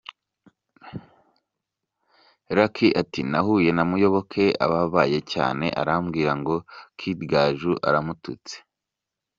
Lucky ati, “Nahuye na Muyoboke ababaye cyane arambwira ngo Kid Gaju aramututse.